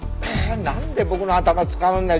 なんで僕の頭使うんだよ。